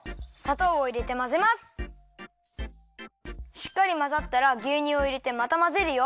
しっかりまざったらぎゅうにゅうをいれてまたまぜるよ。